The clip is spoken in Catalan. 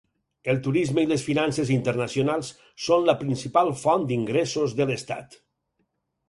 El turisme i les finances internacionals són la principal font d'ingressos de l'estat.